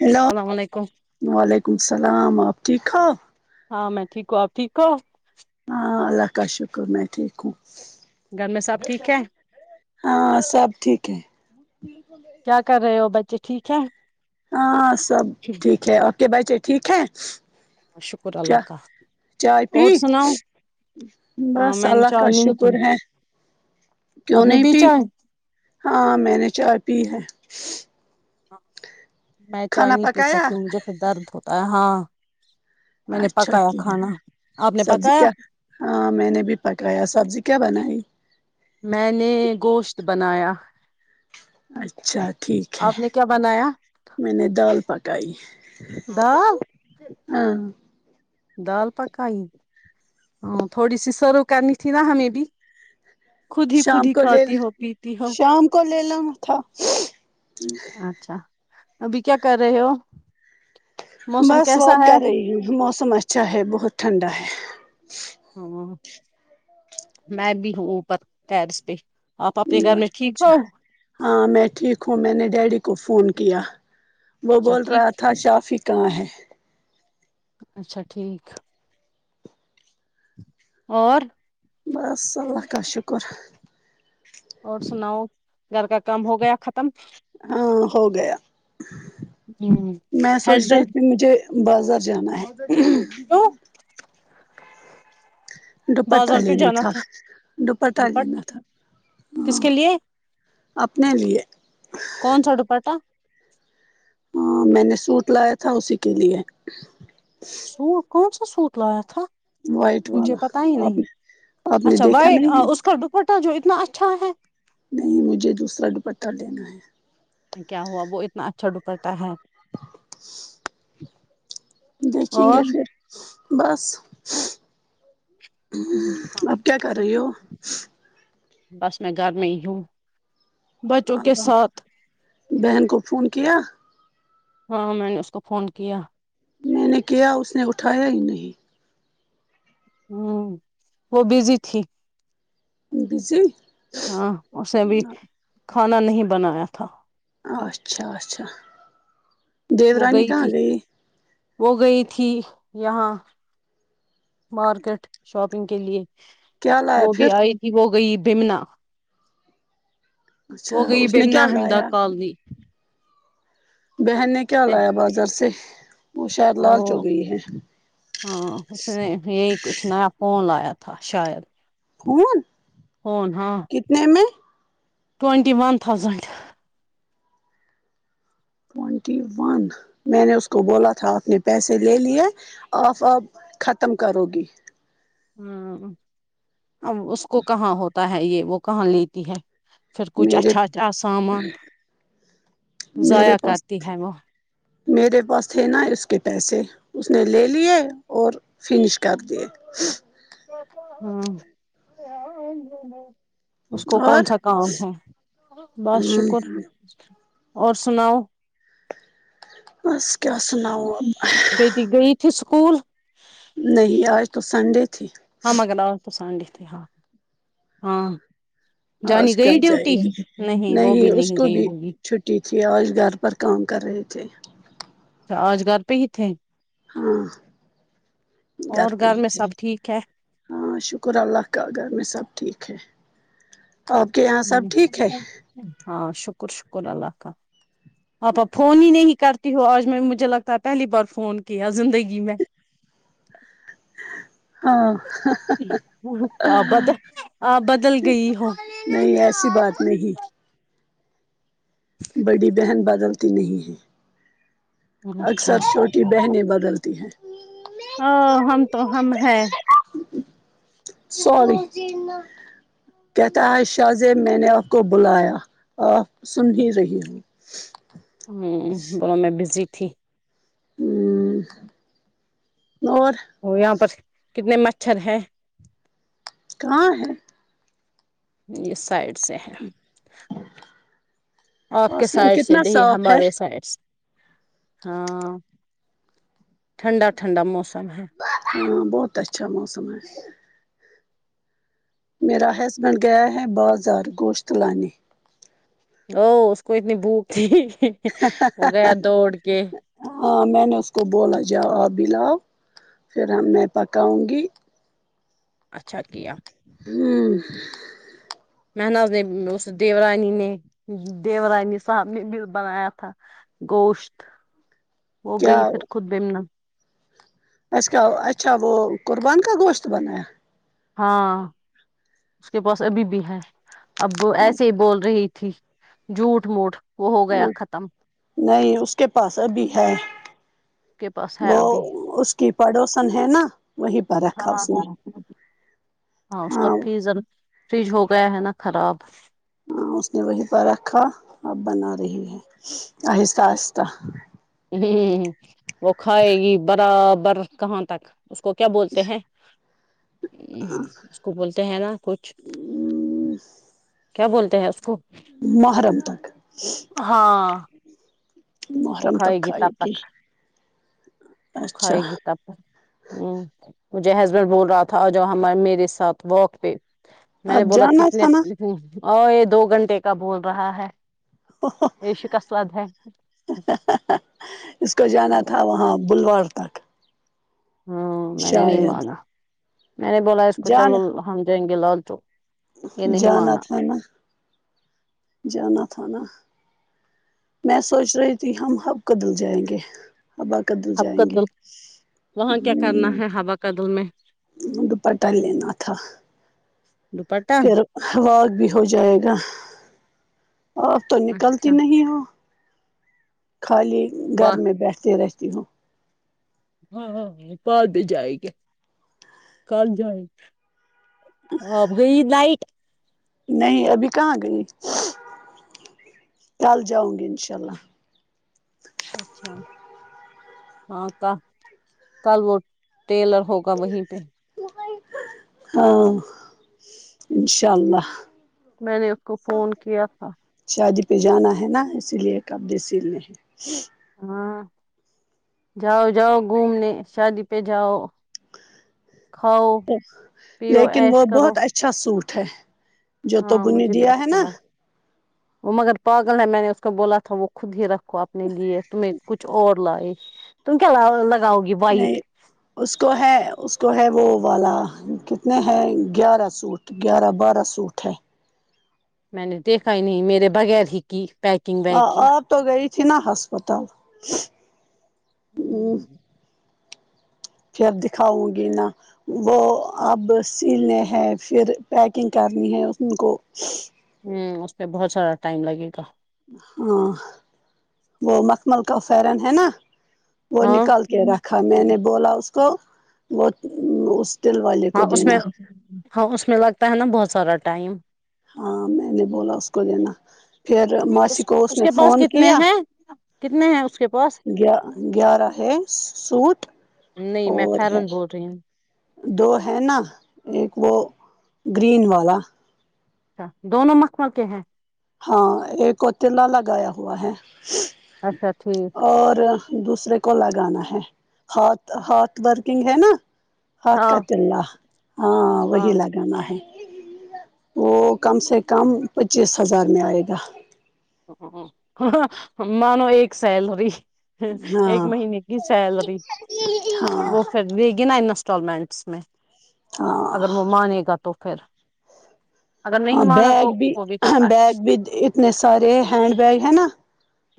hello السلام علیکم وعلیکم السلام آپ ٹھیک ہو ہاں میں ٹھیک آپ ٹھیک ہو اللہ کا شکر میں ٹھیک ہوں گھر میں سب ٹھیک ہے ہاں سب ٹھیک ہے کیا کر رہے ہو بچے ٹھیک ہے ہاں سب ٹھیک ہے اور بچے ٹھیک ہے شکر اللہ چاہ کا چائے اور سناؤ ہاں بس میں نے اللہ چائے کا نہیں پی شکر ہے آپ کیوں نے نہیں پی پیچھا ہاں میں نے چائے پی ہے میں چائے کھانا نہیں پی پکایا سکتی ہوں مجھے پھر درد ہوتا ہاں میں نے اچھا پکایا یک ہے کھانا آپ نے سبزی پکایا کیا ہاں میں نے بھی پکایا سبزی کیا بنائی میں نے گوشت بنایا اچھا ٹھیک ہے آپ نے کیا بنایا میں نے دال پک ٹئی دؤ دال پکائی ہ تھوڑی سی سرو کرنی تھی نا ہمیں بھی خود ہی خود شام ہی کو لے کھاتی ہو پیتی ہو شام کو لے لا تھا اچھا ابھی کیا کر رہے ہو موسم بس کیسا واک کر رہی ہے ہوں موسم اچھا ہے بہت ٹھنڈا ہے ہاں میں بھی ہوں اوپر ٹیرس پہ آپ اپنے گھر میں ٹھیک چھا ہو ہاں میں ٹھیک ہوں میں نے ڈیڈی کو فون کیا [unintelligible] وہ اچھا بول رہا ٹھیک تھا شافی کہاں ہے اچھا ٹھیک [unintelligible] اور [unintelligible] بس اللہ کا شکر اور سناؤ گھر کا کام ہو گیا ختم ہاں ہوگ ہوں ہی تو تھی [unintelligible] مجھے بازار جانا ہے دوپٹہ بازار کیوں لینا جانا تھا دوپٹہ لینا تھا ہ کس کے لیے اپنے لیے کون سا دوپٹہ ہاں میں نے سوٹ لایا تھا اسی کے لیے [unintelligible] سو کو [unintelligible] سوٹ لایا تھا [unintelligible] وائٹ والا مجھے پتا ہی آپ نہیں آپ نے اچھا دیکھا وائٹ نہیں اس کا بک [unintelligible] جو اتنا اچھا ہے [unintelligible] نہیں مجھے دوسرا دوپٹہ لینا ہے [unintelligible] کیا ہوا وہ اتنا اچھا ڈکا [unintelligible] ہے دیکھیں گے اور [unintelligible] پھر بس [unintelligible] ہ اب کیا کر رہی ہو [unintelligible] بس میں گھر میں ہوں [unintelligible] بچوں کے ساتھ [unintelligible] بہن کو فون کیا ہاں میں نے اس کو فون کیا میں نے کیا اس نے اٹھایا ہی نہیں ہوں وہ بزی تھی [unintelligible] بزی [unintelligible] ہاں اس سےے بھی [unintelligible] کھانا نہیں بنایا تھا [unintelligible] اچھا اچھا دی وہ رانی کہاں تھی گئی وہ گئی تھی یہاں مارکیٹ شاپنگ کے لیے کیا لایا وہ بھی پھر آئی تھی وہ گئی [unintelligible] بمنا [unintelligible] اچھا ہو گئی اس نے بمن کیا حمدہ لایا کالنی بہن نے کیا لایا بازار سے [unintelligible] شاید ا لالچ ہو گئی ہے ہاں اس نے یہی کچھ نیا پون لایا تھا تھا شاید فون کتنے میں twenty one thousand twenty one میں نے اس کو بولا تھا آپ نے پیسے لے لیے آف آپ ختم کرو گی ہاں اب اس کو کہاں ہوتا ہوتا ہے یہ وہ کہاں لیتی ہے پھر کچھ میرے اچھا اچھا سامان میرے ضایا پاس کرتی ہے وہ میرے پاس تھے نا اس کے پیسے اس نے لے لیے اور فنش کر دیے گ اس کو کون اور سا کام ہے بس شکر اور سناؤ اس کیا س ن ہو اسل نہیں آج تو سنڈے تھی آ مگر ن اور پساڈی ہاں ہاں آج جانی کیا گئی جائے ڈیوٹی گی وہ بھی نہیں اس کو گئی بھی ہوگی چھٹی تھی آج گھر پر کام کر رہے تھے اچھا آج کر پی اتے ہاں گھر اور پہ ہی میں تھے سب ٹھیک ہے ہاں شکر اللہ کا گھر میں سب ٹھیک ہے آپ کے یہاں سب ٹھیک ہے ہ ہاں شک شکر شکر اللہ کا آپ اپ فون ہی نہیں کرتی ہو آج میں مجھے لگتا ہے پہلی بار فون کیا زندگی میں چ ہاں آپ بدل آپ بدل گئی ہو نہیں ایسی بات نہیں بڑی بہن بات غلطی نہیں ہے اچھا اکثر چھوٹی بہنیں بدلتی ہیں ا ہم تو ہم ہے سوری کہتا ہے شاہ زیب میں نے آپ کو بلایا آپ سن ہی رہی ہو ہ بول میں بزی پھی [unintelligible] ہ [unintelligible] وہ یہاں پر [unintelligible] کتنے مچھر ہیں [unintelligible] کہاں ہے [unintelligible] یس [unintelligible] سائڈ سے ہے آپ کے آسمان سائڈ سے کتنا دی صاف ہے ہمارے سائڈ سے [unintelligible] ہاں ٹھنڈا ٹھنڈا موسم سمح [unintelligible] ہاں بہت اچھا موسم ہے [unintelligible] میرا ہسبینڈ گیا ہے بازار گوشت لے ا اس کو اتنی بھوک تھی وہ گیا دوڑ کے [unintelligible] ہاں میں نے اس کو بولا جا آپ بھیلاؤ پھر ہم نے پکاؤں گی [unintelligible] اچھا کیا [unintelligible] ہوں [unintelligible] مح نز نے اس دیورانی نے دیورانی صاحب نے بھیل بنایا تھا گوشت [unintelligible] وہ گئی پھر خود بمن ا کا اچھا وہ قربان کا گوشت بنایا ہاں اس کے پاس ابھی بھی ہے اب ہاں ایسے ہی بول رہی [unintelligible] ھی جوٹھ موٹ [unintelligible] ہ ختم اس نہیں اس کے پاس ابھی ہے کے پاس ہے وہ ابھی اس [unintelligible] کہ پڑوسن ہے نا [unintelligible] ہاں رکھا اس نے ہاں اس کا فیزن [unintelligible] فرج ہو گیا ہے نا خراب ہاں اس نے وہیں پر رکھا اب بنا رہی ہے آہستہ آہستہ [unintelligible] وہ کھائے گی برابر کہاں تک اس کو کیا بولتے ہیں اس کو بولتے ہیں نا کچھ کیا بولتے ہے اس کو محرم تک ہاں وہ کھائے گی تب تک وہ اچھا کھائے گی تب تک مجھے ہسبینڈ بول رہا تھا جو ہم میرے ساتھ واک پہ میں نے اب بولا جانا کتنے تھا نا دو گھنٹے کا بول رہا ہے یہ شکسلد ہے اس کو جانا تھا وہاں بلوار تک ہاں میں نے نہیں شاید مانا میں نے بولا اس کو چل جانا ہم جایں گے لالچوک جانا تھانا جانا تھانا میں سوچ رہی تھی ہم ہمب کدل جائیں گے اب آ کدل ہب کا جائیں گے دل وہاں کیا کرنا ہے ہوا کا دل میں ہ دوپٹہ لینا تھا دوپٹہ پھر لاگ بھی ہو جائے گا آ تو نکلتی اچھا نہیں ہ خالی گھر واہ میں بیٹھتی رہتیتے ہممم ہاں ہاں باد جائے گی جائے اپ گئی نائٹ نہیں ابھی کہاں گئی کل جاؤں گی انشاء اللہ اچھا ہاں ت کل وہٹ ٹیلر ہوگا وہیں پہ ہاں انشاء اللہ میں نے اس کو فون کیا تھا شادی پہ جانا ہے نا اسی لیے کب د سل نہیں ہاں جاؤ جاؤ گھومنے شادی پہ جاؤ کھاؤ پیو لیکن وہ ایش کرو بہت اچھا سوٹ مھے جو تو ہاں بنے مجھے بھی دیا ہے اچھا نا لگا وہ مگر پاگل ہے میں نے اس کو بولا تھا وہ خود ہی رکھ کو اپنے لیے تمہیں کچھ اور لائے تم کیا لگاؤ گی وائٹ نہیں اس کو ہے اس کو ہے وہ والا کتنے ہیں گیارہ سوٹ گیارہ بارہ سوٹ ہے میں نے دیکھا ہی نہیں میرے بغیر ہی کی پیکنگ ہاں ویکنگ آپ تو گئی سنا ہسپتال ہوں پھر دکھاؤں گی نا وہ اب سینے ہے پھر پیکنگ کرنی ہے کو ہوں اس پہ بہت سارا ٹائم لگے گا ہاں وہ مکھمل کا فرن ہے نا وہ ہاں نکل کے رکھا میں نے بولا اس تو وہ اس دل والے کو ہاں اس میں دینا ہاں اس میں لگ تا ہے نا بہت سارا ٹائم ہاں میں نے بولا اس کو لینا پھر ماسی کو اس نے کے پاس فون کتنے کیا ہیں کتنے ہیں اس کے پاس گیا گیارہ ہے سوٹ نہیں میں اور ہے فیرن بول رہی ہوں دو ہے نا ایک وہ گرین والا اچھا دونوں مکم کے ہیں ہاں ایک کو تلا لگایا ہوا ہے اچھا ٹھیک اور دوسرے کو لگانا ہے ہھ ہاتھ ورکنگ ہے نا ہات ہاں کاات اللہ ہاں وہی ہاں لگانا ہے وہ کم سے کم پچیس ہزار میں آئے گا ہ م نو ایک سیلری ایک ہاں مہینے کی سیلری ہاں وہ پھر دے گی نا انٹالمنٹس میں ہاں اگر وہ مانے گا تو خھر ہاں بیگ بھی بیگ ہے بھی اتنے س سارے ہینڈ بیگ ہے نا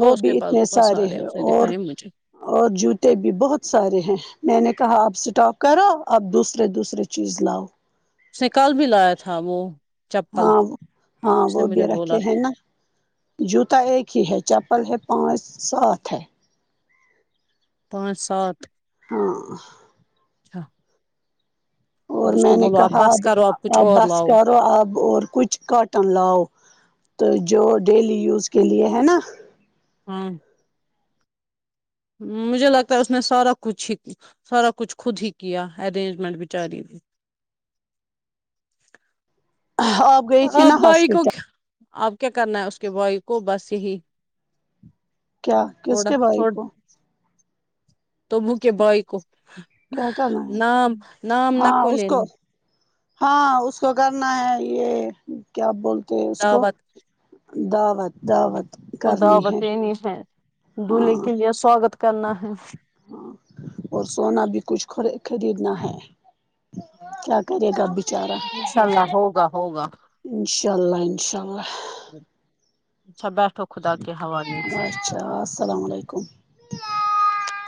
وہ اور اس بھی کے پاس اتنے بہت سارے ہیں اس نے اور دکھائے مجھے اور جوتے بھی بہت سارے ہیں میں نے کہاں اپ اسٹااک کرو اب دوسرے دوسرے چیز لاؤ اس نے کال بھی لایا تھا وہ چپل ہاں ہاں اس نے وہ بھی مجھے بولا رکھے ہیں نا جوتا ایک ہی ہے چپل ہے پانچ سات ہے پانچ سات ہاں اچھا اب اور اس کو میں نے بولو آپ کہا بس کرو اب آپ کچھ اب اور بس لاؤ کرو اب اور کچھ کاٹن لاؤ تو جو ڈیلی یوز کے لیے ہے نا ہ مجھے لگتا ہے اس نے سارا کچھ ہی سارا کچھ خود ہی کیا ارینجمنٹ بچاری ہوئی آب گئی چھی نا ہاسپٹل اب کیا کرنا ہے اس کے بوائی کو بس یہی [unintelligible] کیا کس کے بھائی کو [unintelligible] تو م کے بھائی کو کیا کرنا [inaudible] ہے نام نام نک ہاں اس لے ن کو [unintelligible] ہاں اس کو کرنا ہے یہ کیا بول [unintelligible] آ بات [inaudible] د وت [inaudible] کو دعوتینی ہے دلہے کے لیے سواگت [unintelligible] کرنا ہے [inaudible] ہاں اور سونا بھی کچھ خریدنا ہے [unintelligible] کیا کرے گا بچارا انساء اللہ ہوگا ہوگا [inaudible] س [inaudible] ہاں [inaudible] اچھا بیٹھو خدا کے حوالے [inaudible] اچھا السلام علیکم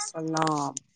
سلام [inaudible]